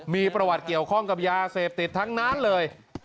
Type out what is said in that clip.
มีประวัติเกี่ยวข้องกับยาเสพติดทั้งนั้นเลย